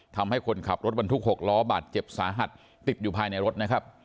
ทำให้คนขับรถบรรทุก๖ล้อบาดเจ็บสาหัสติดอยู่ภายในรถนะครับ